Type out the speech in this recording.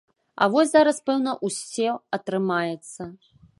А вось зараз, пэўна, усе атрымаецца.